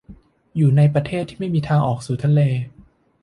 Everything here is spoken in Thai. อยู่ในประเทศที่ไม่มีทางออกสู่ทะเล